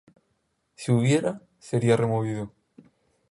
Si hubiera, sería removido.